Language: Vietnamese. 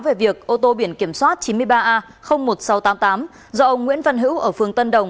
về việc ô tô biển kiểm soát chín mươi ba a một nghìn sáu trăm tám mươi tám do ông nguyễn văn hữu ở phường tân đồng